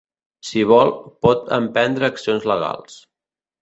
Si vol, pot emprendre accions legals.